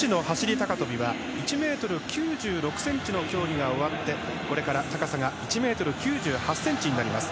高跳びは１ｍ９６ｃｍの競技が終わってこれから高さが１ｍ９８ｃｍになります。